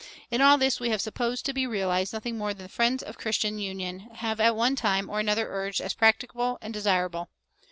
In all this we have supposed to be realized nothing more than friends of Christian union have at one time or another urged as practicable and desirable.